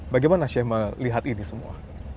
bagaimana sheikh melihat ini semua